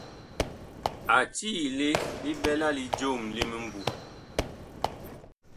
A tiile li ɓɛla li joom li mimbu.